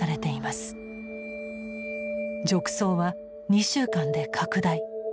褥瘡は２週間で拡大。